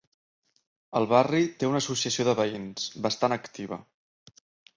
El barri té una associació de veïns, bastant activa.